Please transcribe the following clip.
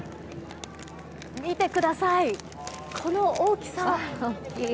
見てください、この大きさ。